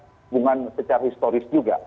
ya hubungannya hubungan secara historis juga